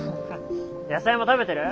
野菜も食べてる？